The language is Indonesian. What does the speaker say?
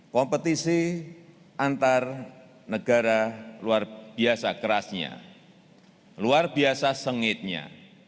kompetisi antar negara luar biasa kerasnya luar biasa sengitnya